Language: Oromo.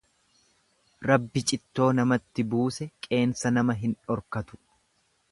Rabbi cittoo namatti buuse qeensa nama hin dhorkatu.